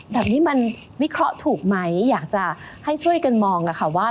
แบบนี้มันวิเคราะห์ถูกไหมอยากจะให้ช่วยกันมองค่ะว่า